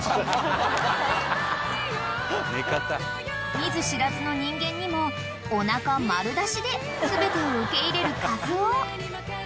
［見ず知らずの人間にもお腹丸出しで全てを受け入れるカズオ］